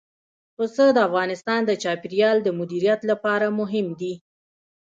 پسه د افغانستان د چاپیریال د مدیریت لپاره مهم دي.